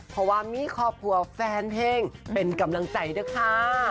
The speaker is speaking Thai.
เพราะว่ามีครอบครัวแฟนเพลงเป็นกำลังใจด้วยค่ะ